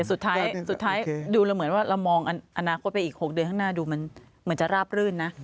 สุดท้ายดูแล้วเหมือนว่าเรามองอนาคตไปอีก๖เดือนข้างหน้าดูมันเหมือนจะราบรื่นนะ